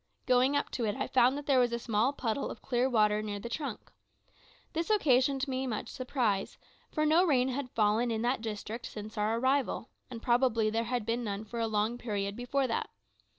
Going up to it I found that there was a small puddle of clear water near the trunk. This occasioned me much surprise, for no rain had fallen in that district since our arrival, and probably there had been none for a long period before that.